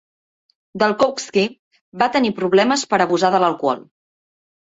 Dalkowski va tenir problemes per abusar de l'alcohol.